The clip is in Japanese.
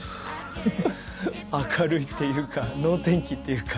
フフッ明るいっていうか能天気っていうか。